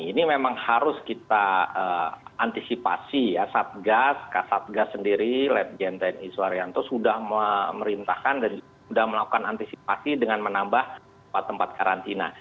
ini memang harus kita antisipasi ya satgas kak satgas sendiri led genta niswaryanto sudah merintahkan dan sudah melakukan antisipasi dengan menambah tempat tempat karantina